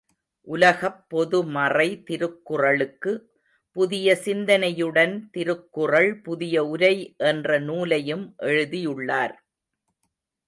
உலகப் பொதுமறை திருக்குறளுக்கு புதிய சிந்தனையுடன் திருக்குறள் புதிய உரை என்ற நூலையும் எழுதியுள்ளார்.